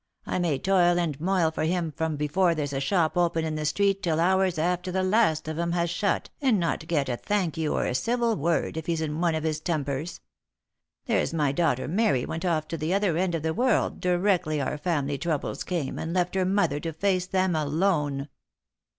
I may toil and moil for him from before there's a shop open in the street till hours after the last of 'em has shut, and not get a thank you, or a civil word, if he's in one of his tempers. There's my daughter Mary went off to the other end of the world directly our family troubles came, and left her mother to face them alone."